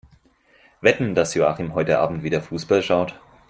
Wetten, dass Joachim heute Abend wieder Fussball schaut?